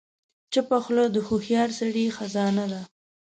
چپه خوله، د هوښیار سړي خزانه ده.